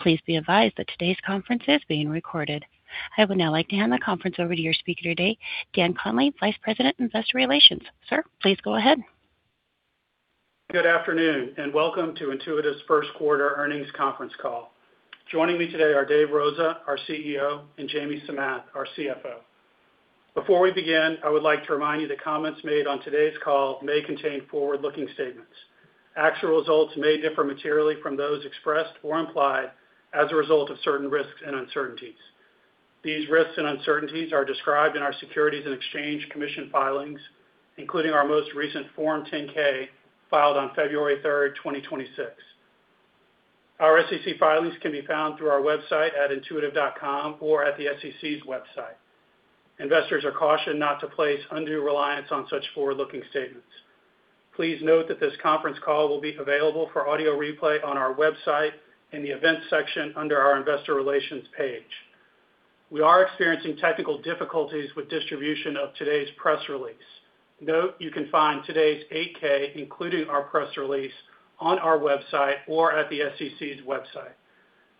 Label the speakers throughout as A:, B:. A: Please be advised that today's conference is being recorded. I would now like to hand the conference over to your speaker today, Dan Connally, Vice President, Investor Relations. Sir, please go ahead.
B: Good afternoon, and welcome to Intuitive's First Quarter Earnings Conference Call. Joining me today are Dave Rosa, our CEO, and Jamie Samath, our CFO. Before we begin, I would like to remind you that comments made on today's call may contain forward-looking statements. Actual results may differ materially from those expressed or implied as a result of certain risks and uncertainties. These risks and uncertainties are described in our Securities and Exchange Commission filings, including our most recent Form 10-K filed on February 3rd, 2026. Our SEC filings can be found through our website at intuitive.com or at the SEC's website. Investors are cautioned not to place undue reliance on such forward-looking statements. Please note that this conference call will be available for audio replay on our website in the Events Section under our Investor Relations page. We are experiencing technical difficulties with distribution of today's press release. Note, you can find today's 8-K, including our press release, on our website or at the SEC's website.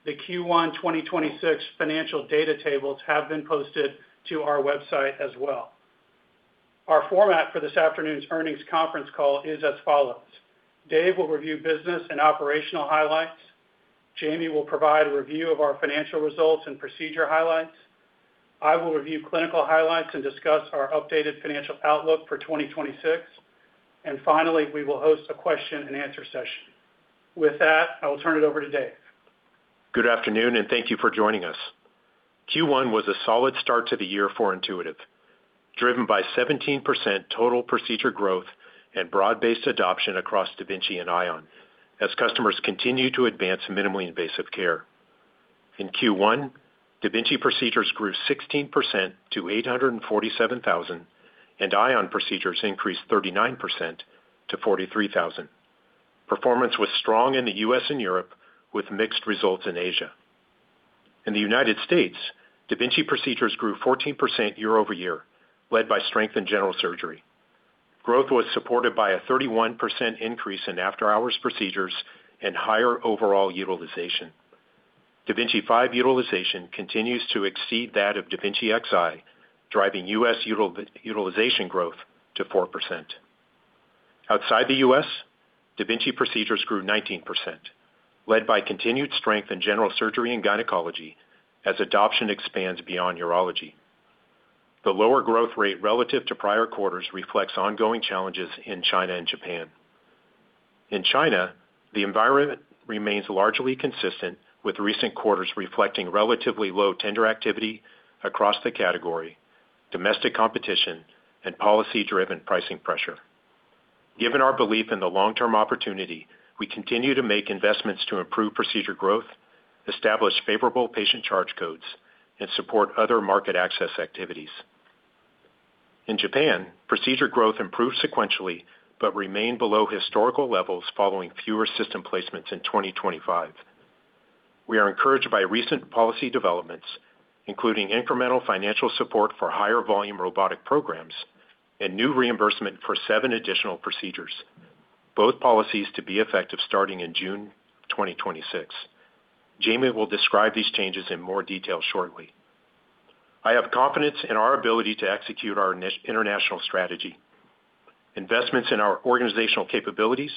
B: The Q1 2026 financial data tables have been posted to our website as well. Our format for this afternoon's earnings conference call is as follows: Dave will review business and operational highlights. Jamie will provide a review of our financial results and procedure highlights. I will review clinical highlights and discuss our updated financial outlook for 2026. Finally, we will host a question and answer session. With that, I will turn it over to Dave.
C: Good afternoon, and thank you for joining us. Q1 was a solid start to the year for Intuitive, driven by 17% total procedure growth and broad-based adoption across da Vinci and Ion, as customers continue to advance minimally invasive care. In Q1, da Vinci procedures grew 16% to 847,000, and Ion procedures increased 39% to 43,000. Performance was strong in the U.S. and Europe, with mixed results in Asia. In the United States, da Vinci procedures grew 14% year-over-year, led by strength in general surgery. Growth was supported by a 31% increase in after-hours procedures and higher overall utilization. da Vinci 5 utilization continues to exceed that of da Vinci Xi, driving U.S. utilization growth to 4%. Outside the U.S., da Vinci procedures grew 19%, led by continued strength in general surgery and gynecology, as adoption expands beyond urology. The lower growth rate relative to prior quarters reflects ongoing challenges in China and Japan. In China, the environment remains largely consistent, with recent quarters reflecting relatively low tender activity across the category, domestic competition, and policy-driven pricing pressure. Given our belief in the long-term opportunity, we continue to make investments to improve procedure growth, establish favorable patient charge codes, and support other market access activities. In Japan, procedure growth improved sequentially but remained below historical levels following fewer system placements in 2025. We are encouraged by recent policy developments, including incremental financial support for higher volume robotic programs and new reimbursement for seven additional procedures, both policies to be effective starting in June 2026. Jamie will describe these changes in more detail shortly. I have confidence in our ability to execute our international strategy. Investments in our organizational capabilities,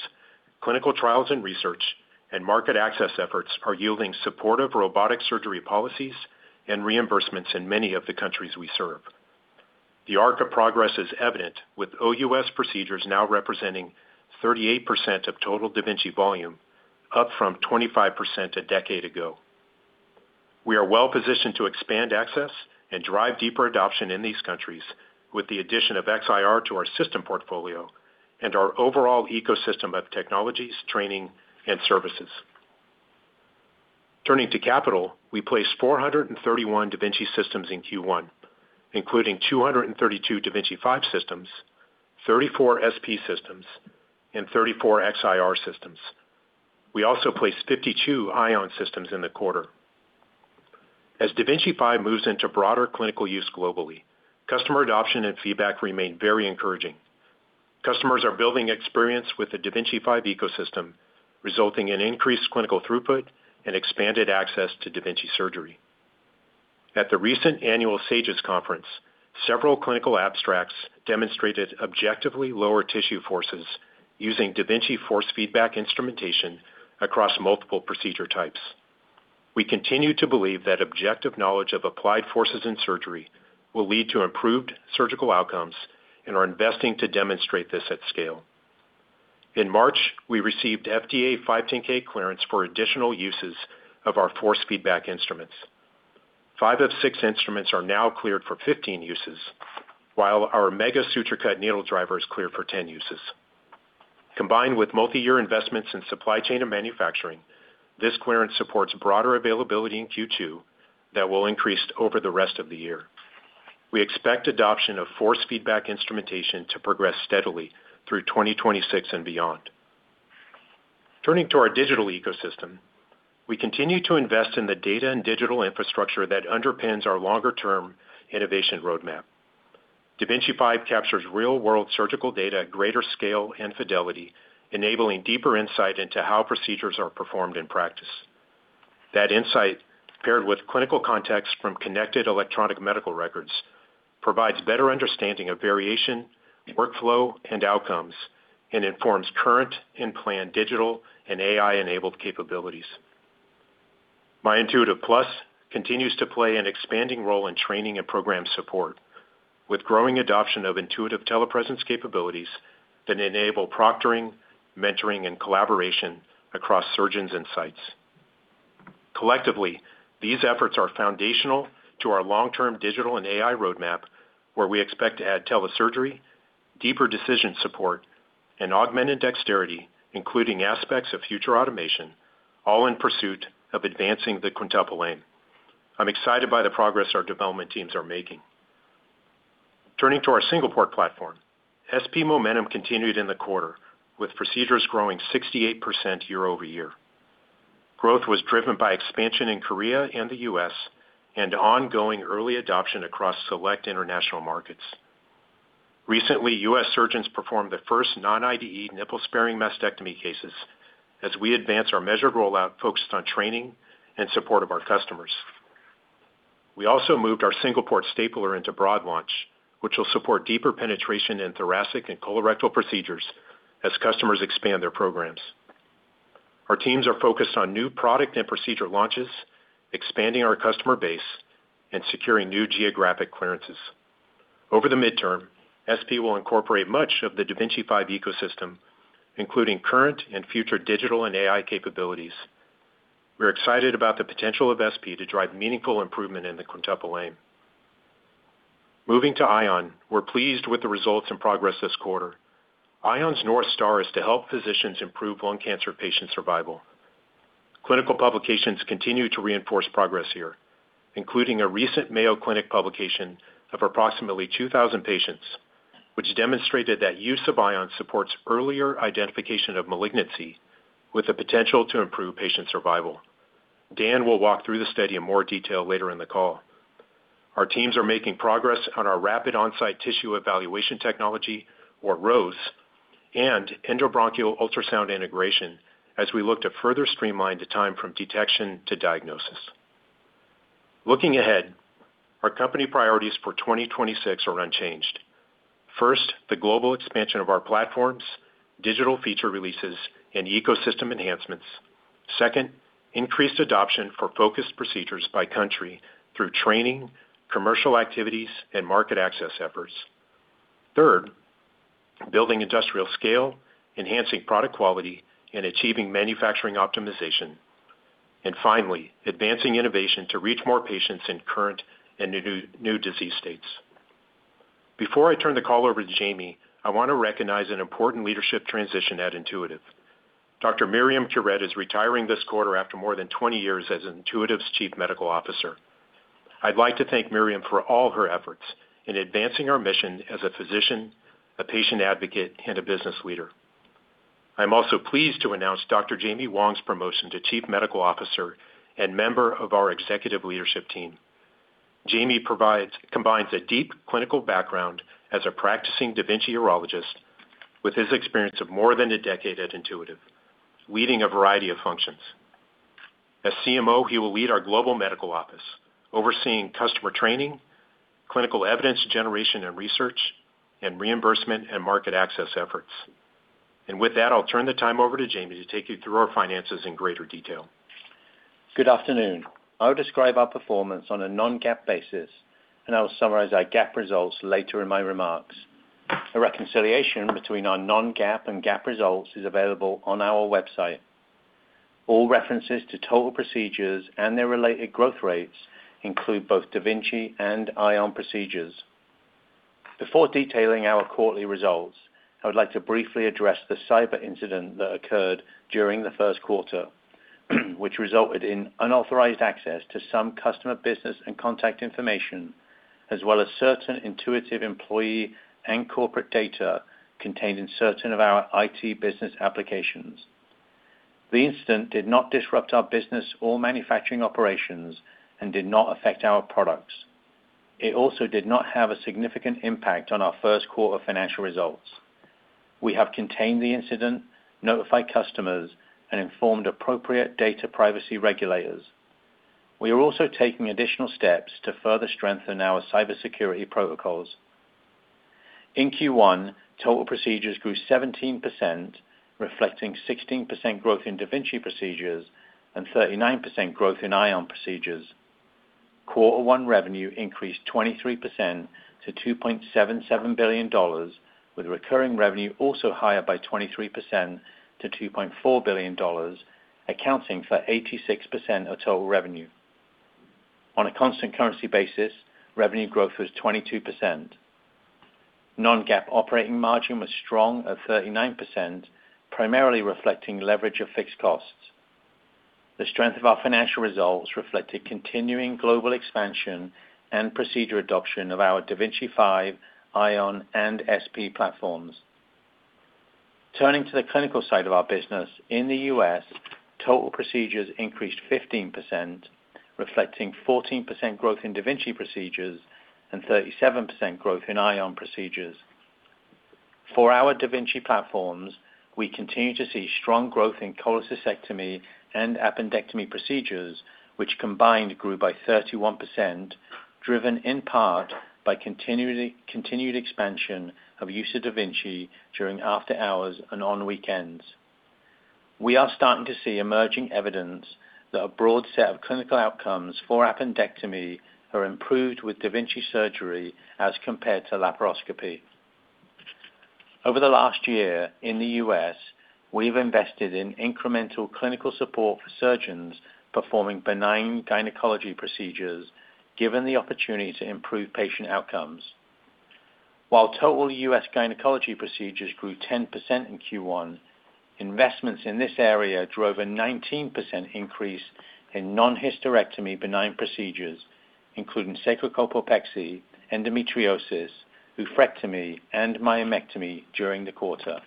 C: clinical trials and research, and market access efforts are yielding supportive robotic surgery policies and reimbursements in many of the countries we serve. The arc of progress is evident, with OUS procedures now representing 38% of total da Vinci volume, up from 25% a decade ago. We are well positioned to expand access and drive deeper adoption in these countries with the addition of Xi-R to our system portfolio and our overall ecosystem of technologies, training, and services. Turning to capital, we placed 431 da Vinci systems in Q1, including 232 da Vinci 5 systems, 34 SP systems, and 34 Xi-R systems. We also placed 52 Ion systems in the quarter. As da Vinci 5 moves into broader clinical use globally, customer adoption and feedback remain very encouraging. Customers are building experience with the da Vinci 5 ecosystem, resulting in increased clinical throughput and expanded access to da Vinci surgery. At the recent Annual SAGES conference, several clinical abstracts demonstrated objectively lower tissue forces using da Vinci force feedback instrumentation across multiple procedure types. We continue to believe that objective knowledge of applied forces in surgery will lead to improved surgical outcomes and are investing to demonstrate this at scale. In March, we received FDA 510(k) clearance for additional uses of our force feedback instruments. Five of six instruments are now cleared for 15 uses, while our Mega SutureCut Needle Driver is cleared for 10 uses. Combined with multi-year investments in supply chain and manufacturing, this clearance supports broader availability in Q2 that will increase over the rest of the year. We expect adoption of force feedback instrumentation to progress steadily through 2026 and beyond. Turning to our digital ecosystem, we continue to invest in the data and digital infrastructure that underpins our longer-term innovation roadmap. da Vinci 5 captures real-world surgical data at greater scale and fidelity, enabling deeper insight into how procedures are performed in practice. That insight, paired with clinical context from connected electronic medical records, provides better understanding of variation, workflow, and outcomes, and informs current and planned digital and AI-enabled capabilities. My Intuitive+ continues to play an expanding role in training and program support, with growing adoption of Intuitive Telepresence capabilities that enable proctoring, mentoring, and collaboration across surgeons and sites. Collectively, these efforts are foundational to our long-term digital and AI roadmap, where we expect to add telesurgery, deeper decision support, and augmented dexterity, including aspects of future automation, all in pursuit of advancing the Quintuple Aim. I'm excited by the progress our development teams are making. Turning to our Single-Port platform, SP momentum continued in the quarter, with procedures growing 68% year-over-year. Growth was driven by expansion in Korea and the U.S., and ongoing early adoption across select international markets. Recently, U.S. surgeons performed the first non-IDE nipple-sparing mastectomy cases as we advance our measured rollout focused on training and support of our customers. We also moved our single port stapler into broad launch, which will support deeper penetration in thoracic and colorectal procedures as customers expand their programs. Our teams are focused on new product and procedure launches, expanding our customer base, and securing new geographic clearances. Over the midterm, SP will incorporate much of the da Vinci 5 ecosystem, including current and future digital and AI capabilities. We're excited about the potential of SP to drive meaningful improvement in the Quintuple Aim. Moving to Ion, we're pleased with the results and progress this quarter. Ion's North Star is to help physicians improve lung cancer patient survival. Clinical publications continue to reinforce progress here, including a recent Mayo Clinic publication of approximately 2,000 patients, which demonstrated that use of Ion supports earlier identification of malignancy with the potential to improve patient survival. Dan will walk through the study in more detail later in the call. Our teams are making progress on our Rapid On-Site tissue Evaluation technology, or ROSE, and endobronchial ultrasound integration as we look to further streamline the time from detection to diagnosis. Looking ahead, our company priorities for 2026 are unchanged. First, the global expansion of our platforms, digital feature releases, and ecosystem enhancements. Second, increased adoption for focused procedures by country through training, commercial activities, and market access efforts. Third, building industrial scale, enhancing product quality, and achieving manufacturing optimization. Finally, advancing innovation to reach more patients in current and new disease states. Before I turn the call over to Jamie, I want to recognize an important leadership transition at Intuitive. Dr. Myriam Curet is retiring this quarter after more than 20 years as Intuitive's Chief Medical Officer. I'd like to thank Myriam for all her efforts in advancing our mission as a physician, a patient advocate, and a business leader. I'm also pleased to announce Dr. Jaime Wong's promotion to Chief Medical Officer and member of our executive leadership team. Jaime combines a deep clinical background as a practicing da Vinci urologist with his experience of more than a decade at Intuitive, leading a variety of functions. As CMO, he will lead our global medical office, overseeing customer training, clinical evidence generation and research, and reimbursement and market access efforts. With that, I'll turn the time over to Jamie to take you through our finances in greater detail.
D: Good afternoon. I will describe our performance on a non-GAAP basis, and I will summarize our GAAP results later in my remarks. A reconciliation between our non-GAAP and GAAP results is available on our website. All references to total procedures and their related growth rates include both da Vinci and Ion procedures. Before detailing our quarterly results, I would like to briefly address the cyber incident that occurred during the first quarter, which resulted in unauthorized access to some customer business and contact information, as well as certain Intuitive employee and corporate data contained in certain of our IT business applications. The incident did not disrupt our business or manufacturing operations and did not affect our products. It also did not have a significant impact on our first quarter financial results. We have contained the incident, notified customers, and informed appropriate data privacy regulators. We are also taking additional steps to further strengthen our cybersecurity protocols. In Q1, total procedures grew 17%, reflecting 16% growth in da Vinci procedures and 39% growth in Ion procedures. Quarter one revenue increased 23% to $2.77 billion, with recurring revenue also higher by 23% to $2.4 billion, accounting for 86% of total revenue. On a constant currency basis, revenue growth was 22%. Non-GAAP operating margin was strong at 39%, primarily reflecting leverage of fixed costs. The strength of our financial results reflected continuing global expansion and procedure adoption of our da Vinci 5, Ion, and SP platforms. Turning to the clinical side of our business, in the U.S., total procedures increased 15%, reflecting 14% growth in da Vinci procedures and 37% growth in Ion procedures. For our da Vinci platforms, we continue to see strong growth in cholecystectomy and appendectomy procedures, which combined grew by 31%, driven in part by continued expansion of use of da Vinci during after hours and on weekends. We are starting to see emerging evidence that a broad set of clinical outcomes for appendectomy are improved with da Vinci surgery as compared to laparoscopy. Over the last year, in the U.S., we've invested in incremental clinical support for surgeons performing benign gynecology procedures, given the opportunity to improve patient outcomes. While total U.S. gynecology procedures grew 10% in Q1, investments in this area drove a 19% increase in non-hysterectomy benign procedures, including sacrocolpopexy, endometriosis, oophorectomy, and myomectomy during the quarter.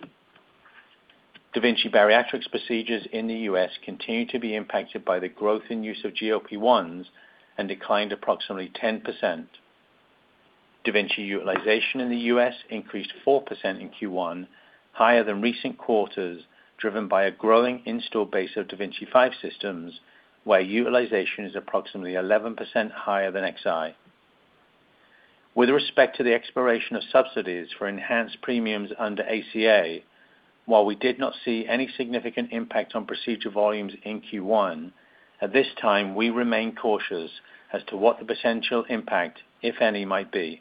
D: Da Vinci bariatrics procedures in the U.S. continue to be impacted by the growth in use of GLP-1s and declined approximately 10%. da Vinci utilization in the U.S. increased 4% in Q1, higher than recent quarters, driven by a growing install base of da Vinci 5 systems, where utilization is approximately 11% higher than Xi. With respect to the expiration of subsidies for enhanced premiums under ACA, while we did not see any significant impact on procedure volumes in Q1, at this time, we remain cautious as to what the potential impact, if any, might be.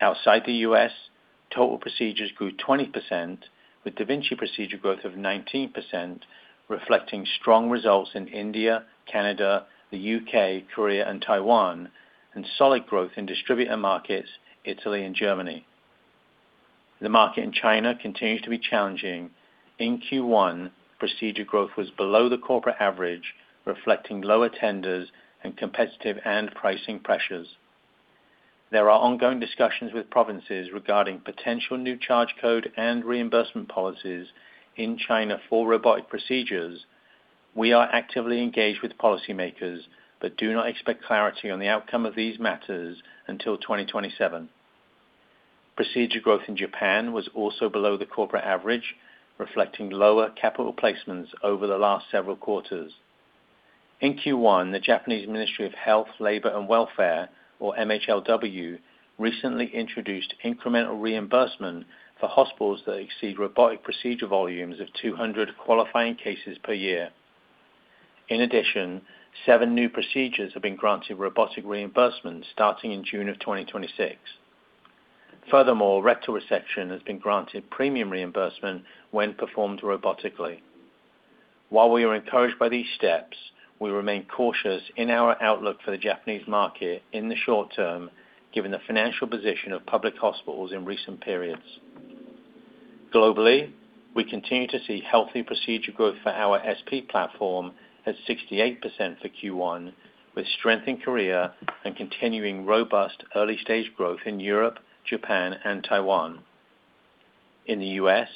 D: Outside the U.S., total procedures grew 20%, with da Vinci procedure growth of 19%, reflecting strong results in India, Canada, the U.K., Korea, and Taiwan, and solid growth in distributor markets, Italy and Germany. The market in China continues to be challenging. In Q1, procedure growth was below the corporate average, reflecting lower tenders in competitive and pricing pressures. There are ongoing discussions with provinces regarding potential new charge code and reimbursement policies in China for robotic procedures. We are actively engaged with policymakers but do not expect clarity on the outcome of these matters until 2027. Procedure growth in Japan was also below the corporate average, reflecting lower capital placements over the last several quarters. In Q1, the Japanese Ministry of Health, Labor and Welfare, or MHLW, recently introduced incremental reimbursement for hospitals that exceed robotic procedure volumes of 200 qualifying cases per year. In addition, seven new procedures have been granted robotic reimbursement starting in June of 2026. Furthermore, rectal resection has been granted premium reimbursement when performed robotically. While we are encouraged by these steps, we remain cautious in our outlook for the Japanese market in the short term, given the financial position of public hospitals in recent periods. Globally, we continue to see healthy procedure growth for our SP platform at 68% for Q1, with strength in Korea and continuing robust early-stage growth in Europe, Japan and Taiwan. In the U.S.,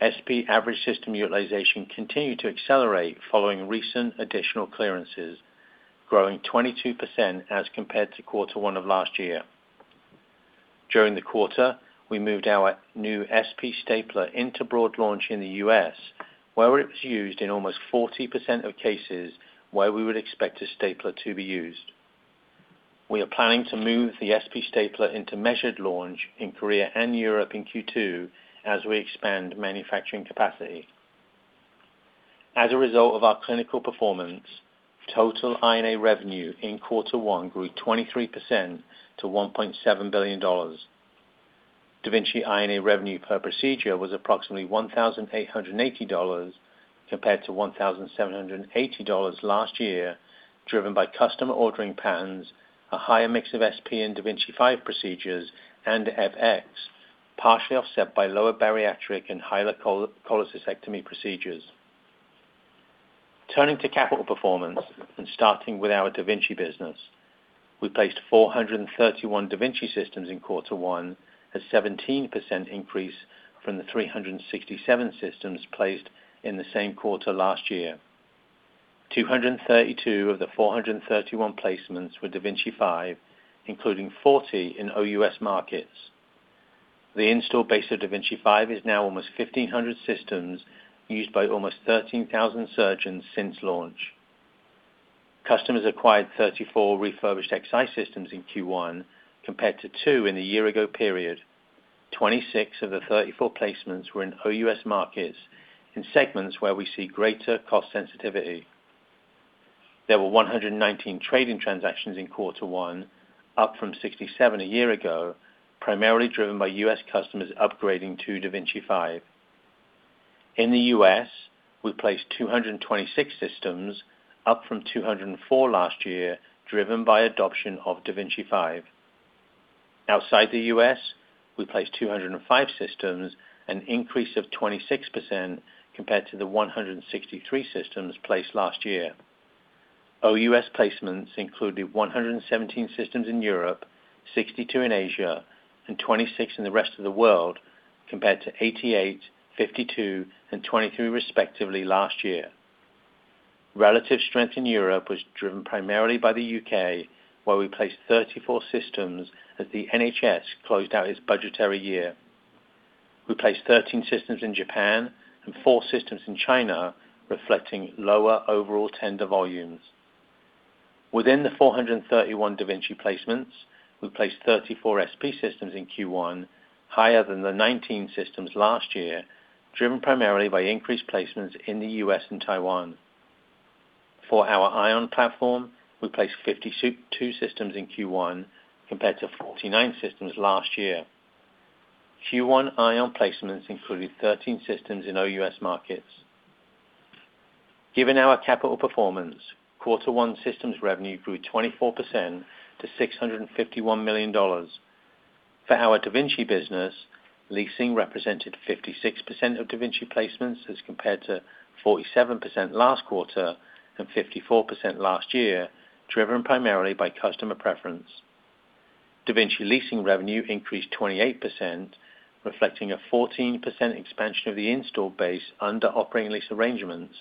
D: SP average system utilization continued to accelerate following recent additional clearances, growing 22% as compared to quarter one of last year. During the quarter, we moved our new SP stapler into broad launch in the U.S., where it was used in almost 40% of cases where we would expect a stapler to be used. We are planning to move the SP stapler into measured launch in Korea and Europe in Q2 as we expand manufacturing capacity. As a result of our clinical performance, total I&A revenue in quarter one grew 23% to $1.7 billion. da Vinci I&A revenue per procedure was approximately $1,880, compared to $1,780 last year, driven by customer ordering patterns, a higher mix of SP and da Vinci 5 procedures, and EpX, partially offset by lower bariatric and higher cholecystectomy procedures. Turning to capital performance and starting with our da Vinci business. We placed 431 da Vinci systems in quarter one, a 17% increase from the 367 systems placed in the same quarter last year. 232 of the 431 placements were da Vinci 5, including 40 in OUS markets. The installed base of da Vinci 5 is now almost 1,500 systems used by almost 13,000 surgeons since launch. Customers acquired 34 refurbished Xi systems in Q1, compared to two in the year-ago period. 26 of the 34 placements were in OUS markets in segments where we see greater cost sensitivity. There were 119 trade-in transactions in quarter one, up from 67 a year ago, primarily driven by U.S. customers upgrading to da Vinci 5. In the U.S., we placed 226 systems, up from 204 last year, driven by adoption of da Vinci 5. Outside the U.S., we placed 205 systems, an increase of 26% compared to the 163 systems placed last year. OUS placements included 117 systems in Europe, 62 in Asia, and 26 in the rest of the world, compared to 88, 52, and 23 respectively last year. Relative strength in Europe was driven primarily by the U.K., where we placed 34 systems as the NHS closed out its budgetary year. We placed 13 systems in Japan and four systems in China, reflecting lower overall tender volumes. Within the 431 da Vinci placements, we placed 34 SP systems in Q1, higher than the 19 systems last year, driven primarily by increased placements in the U.S. and Taiwan. For our Ion platform, we placed 52 systems in Q1 compared to 49 systems last year. Q1 Ion placements included 13 systems in OUS markets. Given our capital performance, quarter one systems revenue grew 24% to $651 million. For our da Vinci business, leasing represented 56% of da Vinci placements as compared to 47% last quarter and 54% last year, driven primarily by customer preference. Da Vinci leasing revenue increased 28%, reflecting a 14% expansion of the installed base under operating lease arrangements,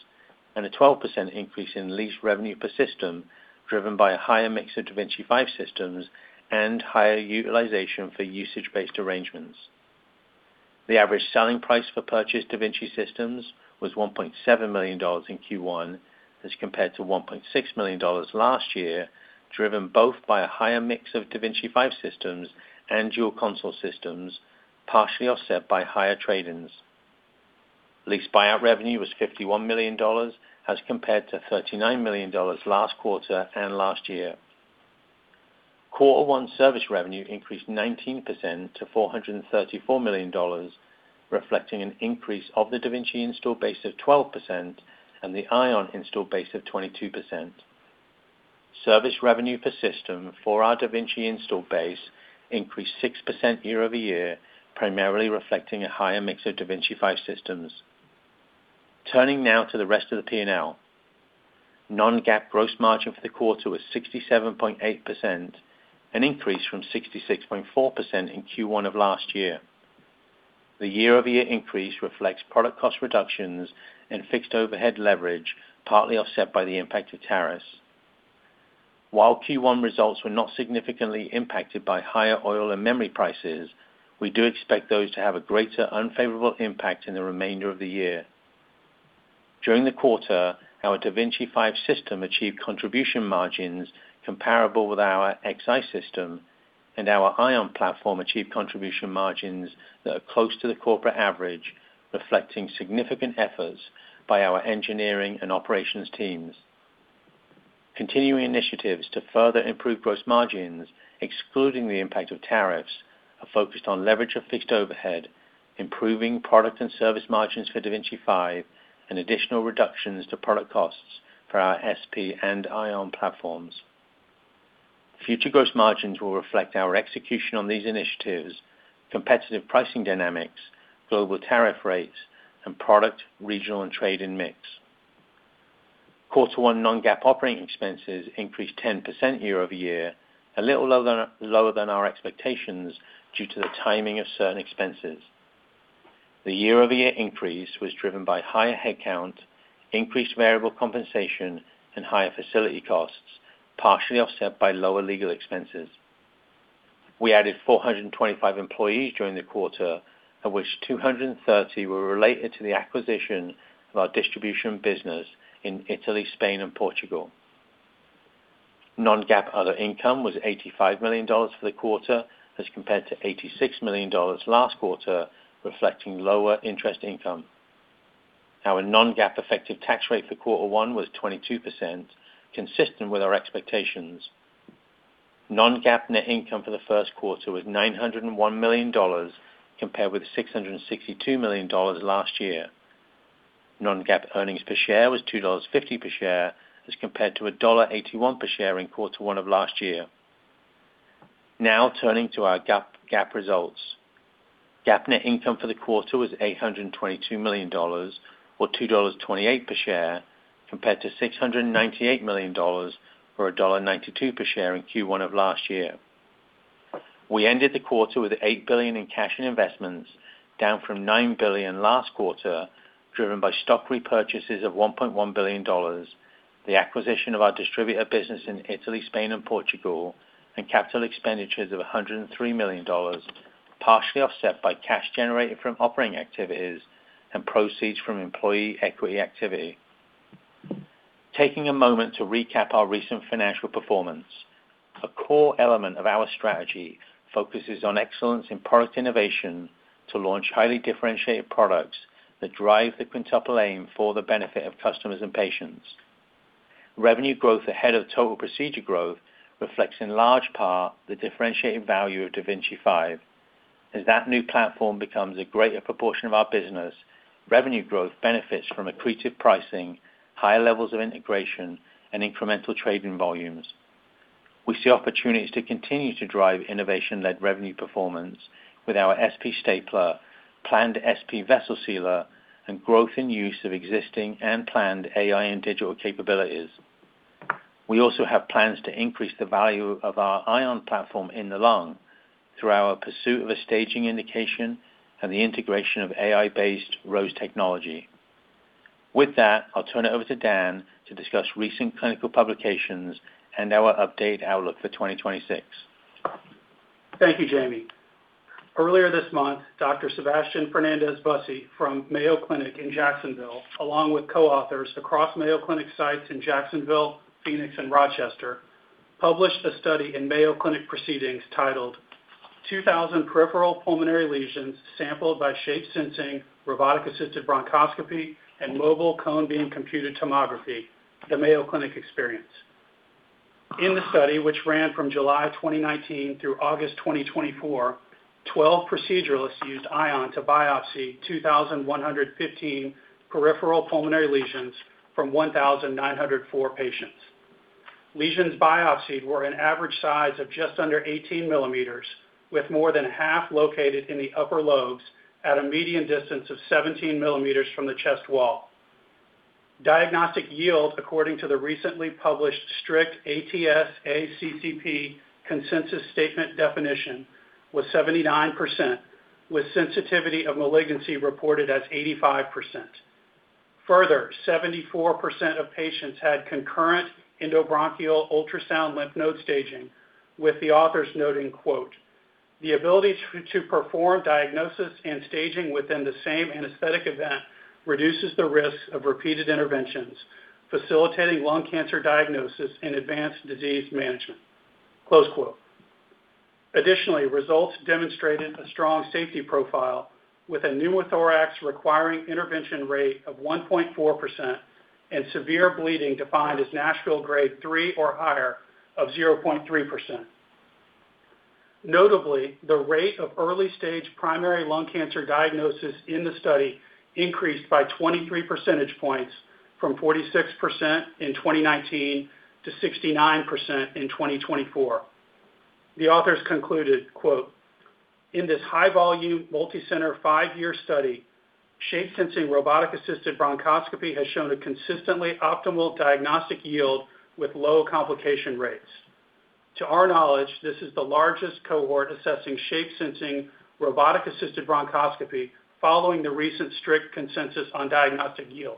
D: and a 12% increase in lease revenue per system, driven by a higher mix of da Vinci 5 systems and higher utilization for usage-based arrangements. The average selling price for purchased da Vinci systems was $1.7 million in Q1 as compared to $1.6 million last year, driven both by a higher mix of da Vinci 5 systems and dual console systems, partially offset by higher trade-ins. Lease buyout revenue was $51 million as compared to $39 million last quarter and last year. Quarter one service revenue increased 19% to $434 million, reflecting an increase of the da Vinci installed base of 12% and the Ion installed base of 22%. Service revenue per system for our da Vinci installed base increased 6% year-over-year, primarily reflecting a higher mix of da Vinci 5 systems. Turning now to the rest of the P&L. Non-GAAP gross margin for the quarter was 67.8%, an increase from 66.4% in Q1 of last year. The year-over-year increase reflects product cost reductions and fixed overhead leverage, partly offset by the impact of tariffs. While Q1 results were not significantly impacted by higher oil and memory prices, we do expect those to have a greater unfavorable impact in the remainder of the year. During the quarter, our da Vinci 5 system achieved contribution margins comparable with our Xi system, and our Ion platform achieved contribution margins that are close to the corporate average, reflecting significant efforts by our engineering and operations teams. Continuing initiatives to further improve gross margins, excluding the impact of tariffs, are focused on leverage of fixed overhead, improving product and service margins for da Vinci 5, and additional reductions to product costs for our SP and Ion platforms. Future gross margins will reflect our execution on these initiatives, competitive pricing dynamics, global tariff rates, and product, regional, and trade-in mix. Quarter one non-GAAP operating expenses increased 10% year-over-year, a little lower than our expectations due to the timing of certain expenses. The year-over-year increase was driven by higher headcount, increased variable compensation, and higher facility costs, partially offset by lower legal expenses. We added 425 employees during the quarter, of which 230 were related to the acquisition of our distribution business in Italy, Spain, and Portugal. Non-GAAP other income was $85 million for the quarter as compared to $86 million last quarter, reflecting lower interest income. Our non-GAAP effective tax rate for quarter one was 22%, consistent with our expectations. Non-GAAP net income for the first quarter was $901 million, compared with $662 million last year. Non-GAAP earnings per share was $2.50 per share as compared to $1.81 per share in quarter one of last year. Now turning to our GAAP results. GAAP net income for the quarter was $822 million or $2.28 per share, compared to $698 million or $1.92 per share in Q1 of last year. We ended the quarter with $8 billion in cash and investments, down from $9 billion last quarter, driven by stock repurchases of $1.1 billion, the acquisition of our distributor business in Italy, Spain, and Portugal, and capital expenditures of $103 million, partially offset by cash generated from operating activities and proceeds from employee equity activity. Taking a moment to recap our recent financial performance. A core element of our strategy focuses on excellence in product innovation to launch highly differentiated products that drive the Quintuple Aim for the benefit of customers and patients. Revenue growth ahead of total procedure growth reflects in large part the differentiating value of da Vinci 5. As that new platform becomes a greater proportion of our business, revenue growth benefits from accretive pricing, higher levels of integration, and incremental trade-in volumes. We see opportunities to continue to drive innovation-led revenue performance with our SP stapler, planned SP vessel sealer, and growth in use of existing and planned AI and digital capabilities. We also have plans to increase the value of our Ion platform in the lung through our pursuit of a staging indication and the integration of AI-based ROSE technology. With that, I'll turn it over to Dan to discuss recent clinical publications and our update outlook for 2026.
B: Thank you, Jamie. Earlier this month, Dr. Sebastian Fernandez-Bussy from Mayo Clinic in Jacksonville, along with co-authors across Mayo Clinic sites in Jacksonville, Phoenix, and Rochester, published a study in Mayo Clinic Proceedings titled "2,000 Peripheral Pulmonary Lesions Sampled by Shape-Sensing Robotic-Assisted Bronchoscopy and Mobile Cone-Beam Computed Tomography: The Mayo Clinic Experience." In the study, which ran from July 2019 through August 2024, 12 proceduralists used Ion to biopsy 2,115 peripheral pulmonary lesions from 1,904 patients. Lesions biopsied were an average size of just under 18 millimeters, with more than half located in the upper lobes at a median distance of 17 millimeters from the chest wall. Diagnostic yield, according to the recently published strict ATS/ACCP consensus statement definition, was 79%, with sensitivity of malignancy reported as 85%. Further, 74% of patients had concurrent endobronchial ultrasound lymph node staging, with the authors noting, quote, "The ability to perform diagnosis and staging within the same anesthetic event reduces the risk of repeated interventions, facilitating lung cancer diagnosis and advanced disease management." Close quote. Additionally, results demonstrated a strong safety profile, with a pneumothorax requiring intervention rate of 1.4% and severe bleeding defined as Nashville Grade 3 or higher of 0.3%. Notably, the rate of early-stage primary lung cancer diagnosis in the study increased by 23 percentage points from 46% in 2019 to 69% in 2024. The authors concluded, quote, "In this high-volume, multicenter, five-year study, shape-sensing robotic-assisted bronchoscopy has shown a consistently optimal diagnostic yield with low complication rates. To our knowledge, this is the largest cohort assessing shape-sensing robotic-assisted bronchoscopy following the recent strict consensus on diagnostic yield.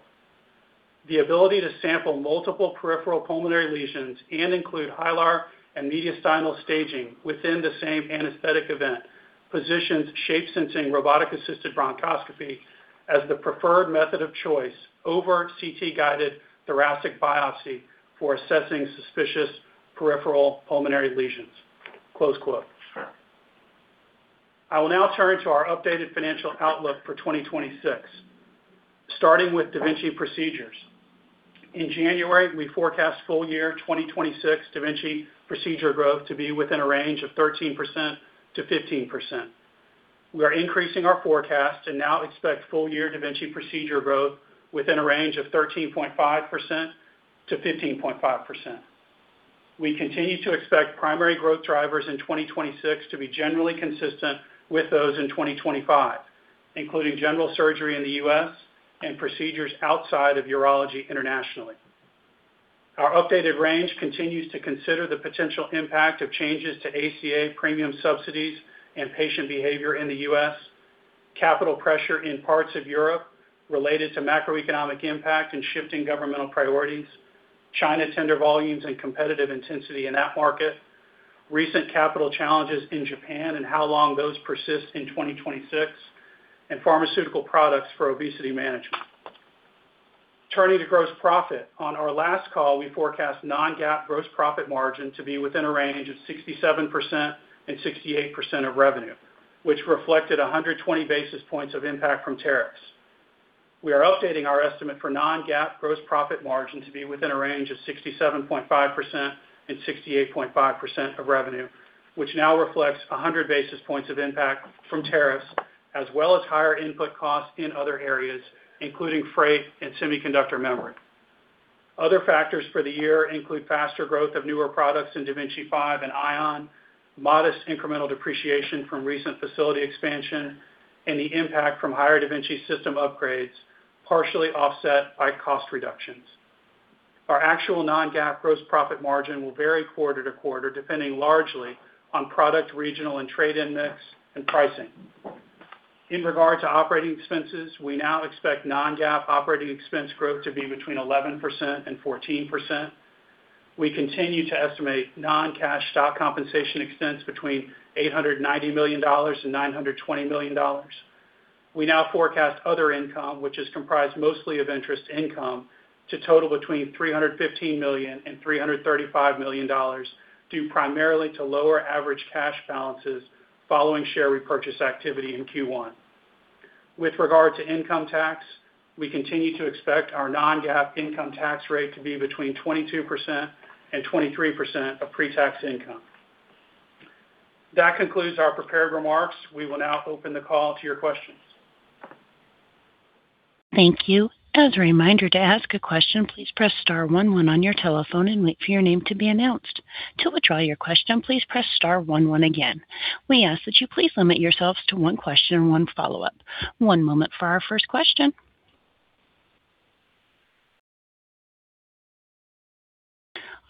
B: The ability to sample multiple peripheral pulmonary lesions and include hilar and mediastinal staging within the same anesthetic event positions shape-sensing robotic-assisted bronchoscopy as the preferred method of choice over CT-guided thoracic biopsy for assessing suspicious peripheral pulmonary lesions." Close quote. I will now turn to our updated financial outlook for 2026, starting with da Vinci procedures. In January, we forecast full-year 2026 da Vinci procedure growth to be within a range of 13%-15%. We are increasing our forecast and now expect full-year da Vinci procedure growth within a range of 13.5%-15.5%. We continue to expect primary growth drivers in 2026 to be generally consistent with those in 2025, including general surgery in the U.S. and procedures outside of urology internationally. Our updated range continues to consider the potential impact of changes to ACA premium subsidies and patient behavior in the U.S., capital pressure in parts of Europe related to macroeconomic impact and shifting governmental priorities, China tender volumes and competitive intensity in that market, recent capital challenges in Japan and how long those persist in 2026, and pharmaceutical products for obesity management. Turning to gross profit. On our last call, we forecast non-GAAP gross profit margin to be within a range of 67%-68% of revenue, which reflected 120 basis points of impact from tariffs. We are updating our estimate for non-GAAP gross profit margin to be within a range of 67.5%-68.5% of revenue, which now reflects 100 basis points of impact from tariffs, as well as higher input costs in other areas, including freight and semiconductor memory. Other factors for the year include faster growth of newer products in da Vinci 5 and Ion, modest incremental depreciation from recent facility expansion, and the impact from higher da Vinci system upgrades, partially offset by cost reductions. Our actual non-GAAP gross profit margin will vary quarter to quarter, depending largely on product mix, regional, and trade-ins and pricing. In regard to operating expenses, we now expect non-GAAP operating expense growth to be between 11%-14%. We continue to estimate non-cash stock compensation expense between $890 million-$920 million. We now forecast other income, which is comprised mostly of interest income, to total between $315 million-$335 million, due primarily to lower average cash balances following share repurchase activity in Q1. With regard to income tax, we continue to expect our non-GAAP income tax rate to be between 22%-23% of pre-tax income. That concludes our prepared remarks. We will now open the call to your questions.
A: Thank you. As a reminder to ask a question, please press star one one on your telephone and wait for your name to be announced. To withdraw your question, please press star one one again. We ask that you please limit yourselves to one question and one follow-up. One moment for our first question.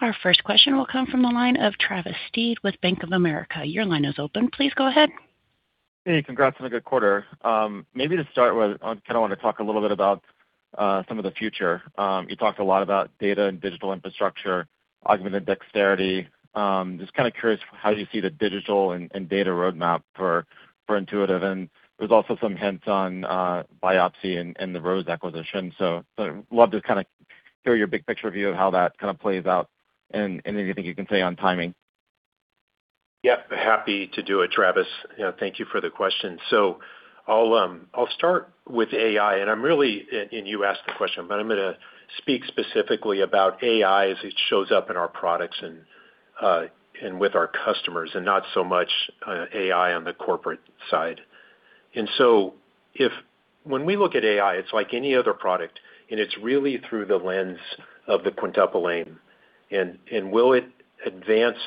A: Our first question will come from the line of Travis Steed with Bank of America. Your line is open. Please go ahead.
E: Hey, congrats on a good quarter. Maybe to start with, I want to talk a little bit about some of the future. You talked a lot about data and digital infrastructure, augmented dexterity. Just kind of curious how you see the digital and data roadmap for Intuitive. There's also some hints on biopsy and the ROSE acquisition. Love to hear your big picture view of how that plays out and anything you can say on timing.
C: Yep, happy to do it, Travis. Thank you for the question. I'll start with AI, and you asked the question, but I'm going to speak specifically about AI as it shows up in our products and with our customers, and not so much AI on the corporate side. When we look at AI, it's like any other product, and it's really through the lens of the Quintuple Aim. Will it advance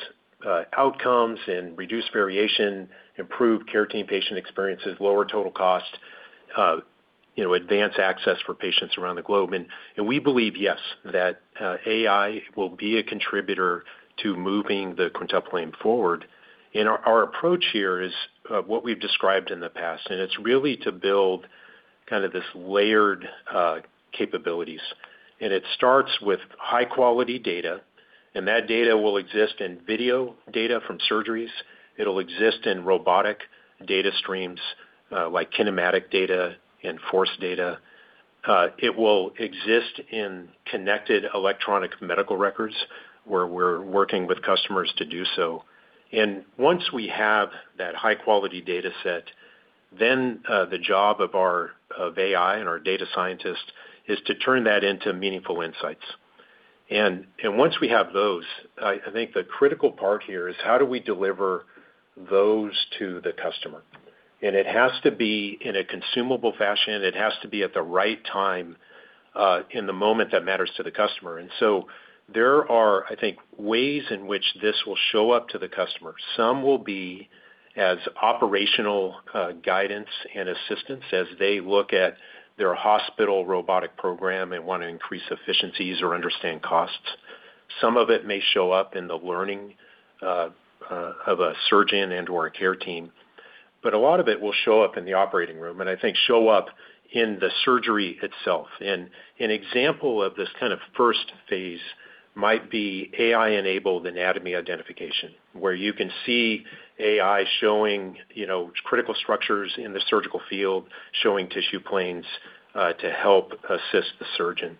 C: outcomes and reduce variation, improve care team patient experiences, lower total cost, advance access for patients around the globe? We believe, yes, that AI will be a contributor to moving the Quintuple Aim forward. Our approach here is what we've described in the past, and it's really to build this layered capabilities. It starts with high quality data, and that data will exist in video data from surgeries. It'll exist in robotic data streams like kinematic data and force data. It will exist in connected electronic medical records where we're working with customers to do so. Once we have that high quality data set, then the job of AI and our data scientist is to turn that into meaningful insights. Once we have those, I think the critical part here is how do we deliver those to the customer? It has to be in a consumable fashion. It has to be at the right time, in the moment that matters to the customer. There are, I think, ways in which this will show up to the customer. Some will be as operational guidance and assistance as they look at their hospital robotic program and want to increase efficiencies or understand costs. Some of it may show up in the learning of a surgeon and/or a care team, but a lot of it will show up in the operating room and I think show up in the surgery itself. An example of this kind of first phase might be AI-enabled anatomy identification, where you can see AI showing critical structures in the surgical field, showing tissue planes to help assist the surgeon.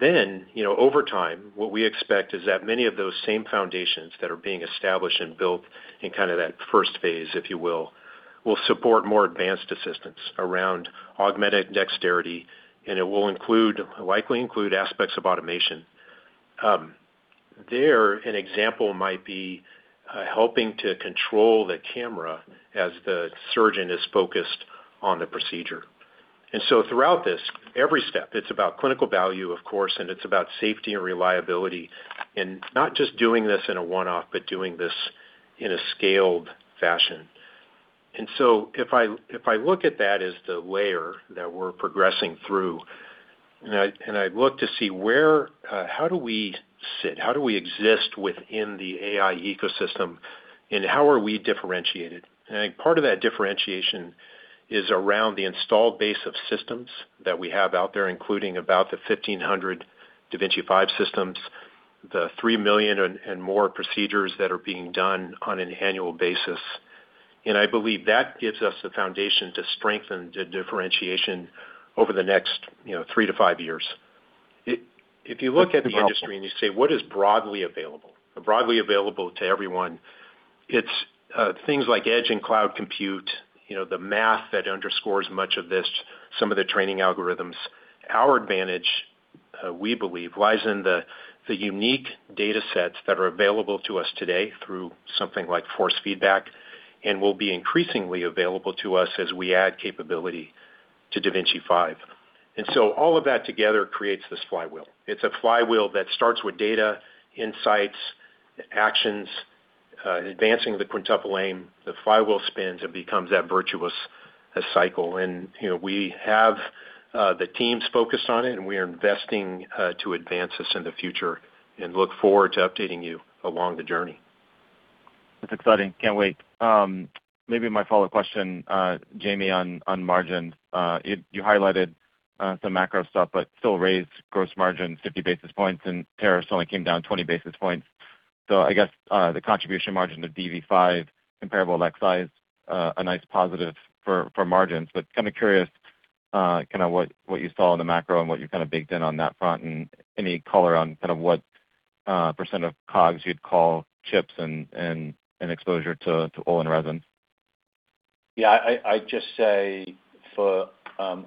C: Over time, what we expect is that many of those same foundations that are being established and built in that first phase, if you will support more advanced assistance around augmented dexterity, and it will likely include aspects of automation. There, an example might be helping to control the camera as the surgeon is focused on the procedure. Throughout this, every step, it's about clinical value, of course, and it's about safety and reliability, and not just doing this in a one-off, but doing this in a scaled fashion. If I look at that as the layer that we're progressing through, and I look to see how do we sit, how do we exist within the AI ecosystem, and how are we differentiated? I think part of that differentiation is around the installed base of systems that we have out there, including about the 1,500 da Vinci 5 systems, the three million and more procedures that are being done on an annual basis. I believe that gives us the foundation to strengthen the differentiation over the next three to five years. If you look at the industry and you say, what is broadly available? Broadly available to everyone, it's things like edge and cloud compute, the math that underscores much of this, some of the training algorithms. Our advantage, we believe, lies in the unique data sets that are available to us today through something like force feedback and will be increasingly available to us as we add capability to da Vinci 5. All of that together creates this flywheel. It's a flywheel that starts with data, insights, actions, advancing the Quintuple Aim. The flywheel spins and becomes that virtuous cycle. We have the teams focused on it, and we are investing to advance this in the future and look forward to updating you along the journey.
E: It's exciting. Can't wait. Maybe my follow question, Jamie, on margin. You highlighted some macro stuff, but still raised gross margin 50 basis points, and tariffs only came down 20 basis points. I guess the contribution margin of DV5 comparable Xi, a nice positive for margins. Kind of curious what you saw in the macro and what you baked in on that front, and any color on what percent of COGS you'd call chips and exposure to oil and resin.
D: Yeah. I'd just say for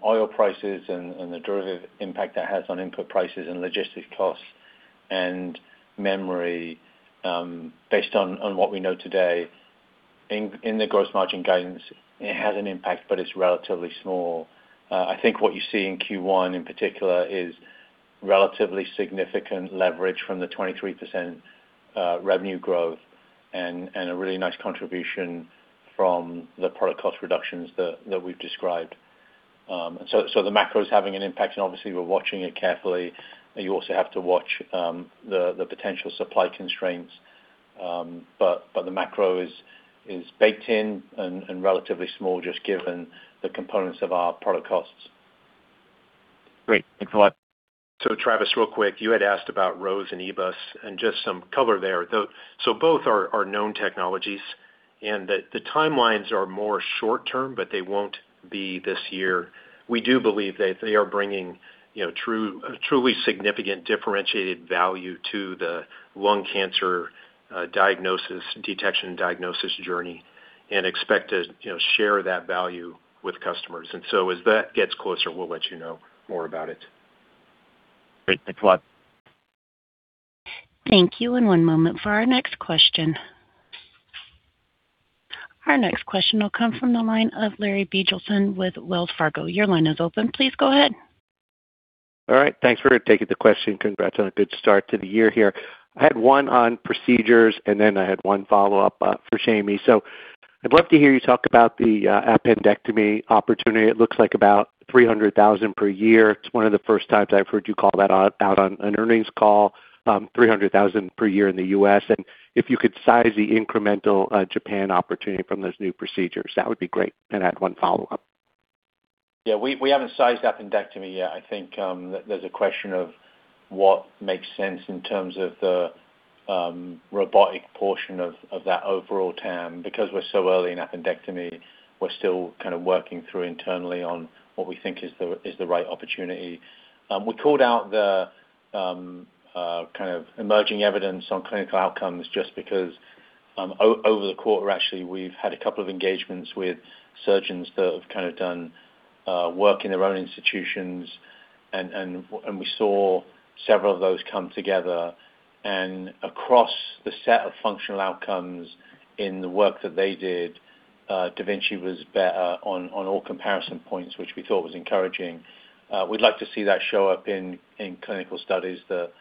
D: oil prices and the derivative impact that has on input prices and logistics costs and margins, based on what we know today. In the gross margin guidance, it has an impact, but it's relatively small. I think what you see in Q1 in particular is relatively significant leverage from the 23% revenue growth and a really nice contribution from the product cost reductions that we've described. The macro is having an impact and obviously we're watching it carefully. You also have to watch the potential supply constraints, but the macro is baked in and relatively small just given the components of our product costs.
E: Great. Thanks a lot.
C: Travis, real quick, you had asked about ROSE and EBUS and just some color there, though. Both are known technologies and the timelines are more short-term, but they won't be this year. We do believe that they are bringing truly significant differentiated value to the lung cancer diagnosis, detection diagnosis journey, and expect to share that value with customers. As that gets closer, we'll let you know more about it.
E: Great. Thanks a lot.
A: Thank you, and one moment for our next question. Our next question will come from the line of Larry Biegelsen with Wells Fargo. Your line is open. Please go ahead.
F: All right. Thanks for taking the question. Congrats on a good start to the year here. I had one on procedures, and then I had one follow-up for Jamie. I'd love to hear you talk about the appendectomy opportunity. It looks like about 300,000 per year. It's one of the first times I've heard you call that out on an earnings call, 300,000 per year in the U.S. If you could size the incremental Japan opportunity from those new procedures, that would be great. I had one follow-up.
B: Yeah, we haven't sized appendectomy yet. I think there's a question of what makes sense in terms of the robotic portion of that overall TAM, because we're so early in appendectomy, we're still kind of working through internally on what we think is the right opportunity. We called out the emerging evidence on clinical outcomes just because over the quarter, actually, we've had a couple of engagements with surgeons that have done work in their own institutions, and we saw several of those come together. And across the set of functional outcomes in the work that they did, da Vinci was better on all comparison points, which we thought was encouraging. We'd like to see that show up in clinical studies that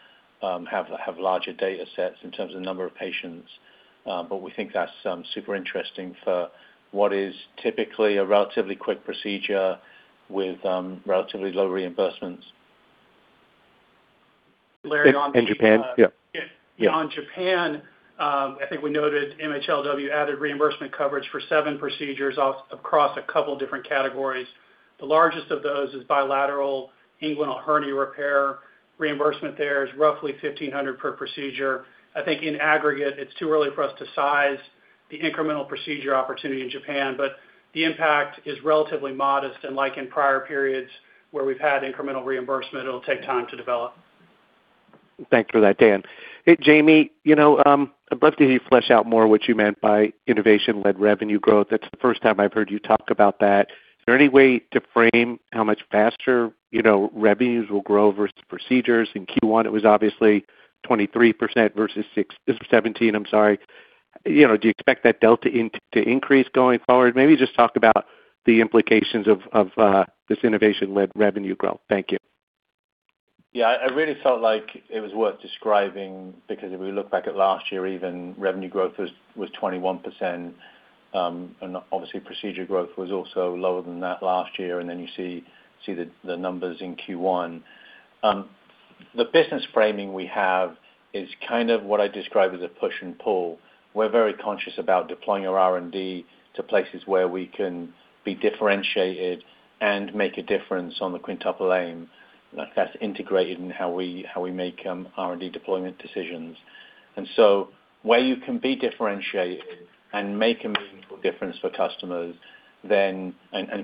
B: have larger data sets in terms of number of patients. We think that's super interesting for what is typically a relatively quick procedure with relatively low reimbursements. Larry on the-
F: In Japan? Yeah.
B: Yeah, on Japan, I think we noted MHLW added reimbursement coverage for seven procedures across a couple different categories. The largest of those is bilateral inguinal hernia repair. Reimbursement there is roughly $1,500 per procedure. I think in aggregate, it's too early for us to size the incremental procedure opportunity in Japan, but the impact is relatively modest. Like in prior periods where we've had incremental reimbursement, it'll take time to develop.
F: Thanks for that, Dan. Hey, Jamie, I'd love to hear you flesh out more what you meant by innovation-led revenue growth. That's the first time I've heard you talk about that. Is there any way to frame how much faster revenues will grow versus procedures? In Q1 it was obviously 23% versus 17%. Do you expect that delta to increase going forward? Maybe just talk about the implications of this innovation-led revenue growth. Thank you.
D: Yeah. I really felt like it was worth describing because if we look back at last year even, revenue growth was 21%, and obviously procedure growth was also lower than that last year. Then you see the numbers in Q1. The business framing we have is kind of what I describe as a push and pull. We're very conscious about deploying our R&D to places where we can be differentiated and make a difference on the Quintuple Aim. That's integrated in how we make R&D deployment decisions. Where you can be differentiated and make a meaningful difference for customers and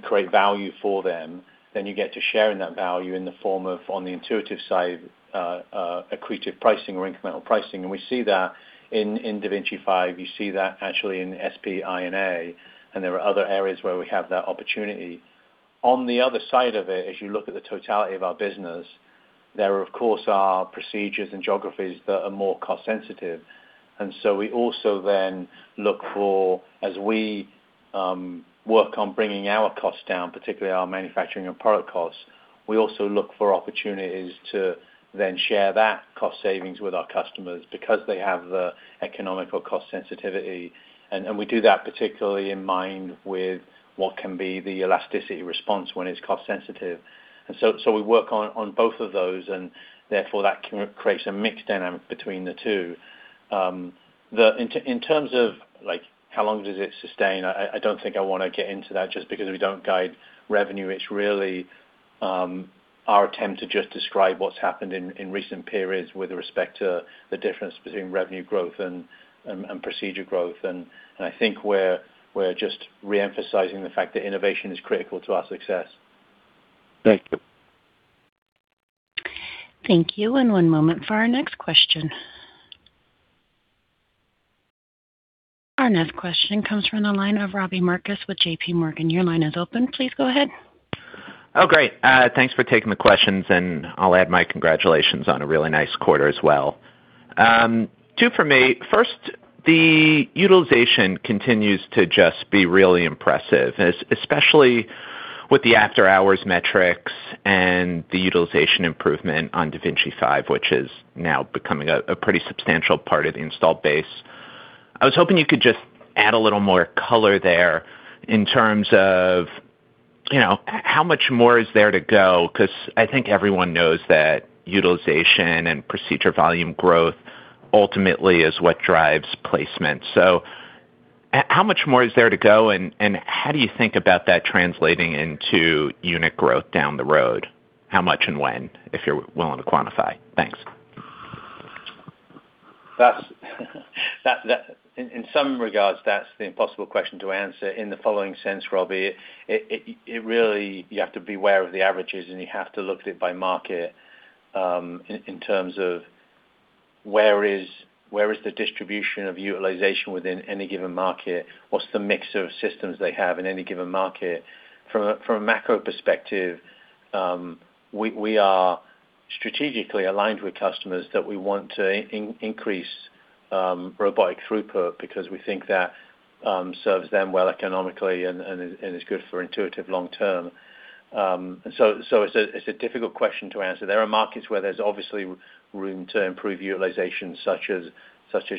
D: create value for them, then you get to share in that value in the form of, on the intuitive side, accretive pricing or incremental pricing. We see that in da Vinci 5. You see that actually in SP I&A, and there are other areas where we have that opportunity. On the other side of it, as you look at the totality of our business, there of course are procedures and geographies that are more cost sensitive. We also then look for, as we work on bringing our costs down, particularly our manufacturing and product costs, we also look for opportunities to then share that cost savings with our customers because they have the economical cost sensitivity. We do that particularly in mind with what can be the elasticity response when it's cost sensitive. We work on both of those, and therefore that creates a mix dynamic between the two. In terms of how long does it sustain, I don't think I want to get into that just because we don't guide revenue. It's really our attempt to just describe what's happened in recent periods with respect to the difference between revenue growth and procedure growth. I think we're just re-emphasizing the fact that innovation is critical to our success.
F: Thank you.
A: Thank you. One moment for our next question. Our next question comes from the line of Robbie Marcus with J.P. Morgan. Your line is open. Please go ahead.
G: Oh, great. Thanks for taking the questions, and I'll add my congratulations on a really nice quarter as well. Two for me. First, the utilization continues to just be really impressive, especially with the after-hours metrics and the utilization improvement on da Vinci 5, which is now becoming a pretty substantial part of the installed base. I was hoping you could just add a little more color there in terms of how much more is there to go, because I think everyone knows that utilization and procedure volume growth ultimately is what drives placement. How much more is there to go, and how do you think about that translating into unit growth down the road? How much and when, if you're willing to quantify? Thanks.
D: In some regards, that's the impossible question to answer in the following sense, Robbie. You have to be aware of the averages, and you have to look at it by market, in terms of where is the distribution of utilization within any given market. What's the mix of systems they have in any given market? From a macro perspective, we are strategically aligned with customers that we want to increase robotic throughput because we think that serves them well economically and is good for Intuitive long term. It's a difficult question to answer. There are markets where there's obviously room to improve utilization, such as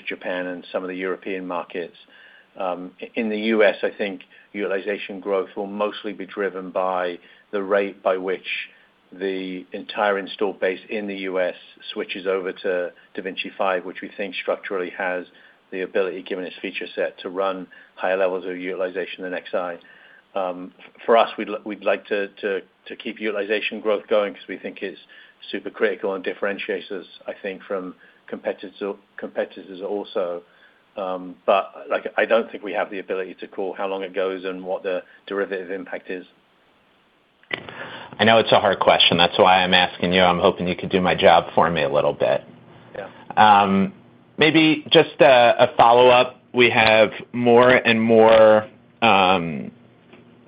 D: Japan and some of the European markets. In the U.S., I think utilization growth will mostly be driven by the rate by which the entire installed base in the U.S. switches over to da Vinci 5, which we think structurally has the ability, given its feature set, to run higher levels of utilization than Xi. For us, we'd like to keep utilization growth going because we think it's super critical and differentiates us, I think, from competitors also. But I don't think we have the ability to call how long it goes and what the derivative impact is.
G: I know it's a hard question. That's why I'm asking you. I'm hoping you could do my job for me a little bit.
D: Yeah.
G: Maybe just a follow-up. We have more and more